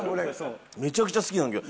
めちゃくちゃ好きなんだけど。